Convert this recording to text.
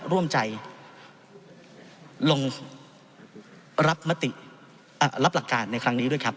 ร่วมใจลงรับมติรับหลักการในครั้งนี้ด้วยครับ